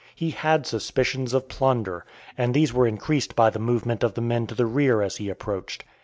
He had suspicions of plunder, and these were increased by the movement of the men to the rear as he approached.